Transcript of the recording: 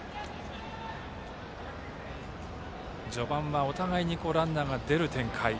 序盤はお互いにランナーが出る展開。